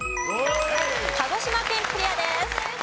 鹿児島県クリアです。